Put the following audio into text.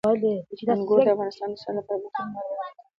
انګور د افغانستان د صنعت لپاره ګټور مواد برابروي.